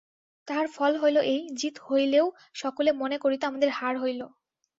তাহার ফল হইল এই, জিত হইলেও সকলে মনে করিত আমার হার হইল।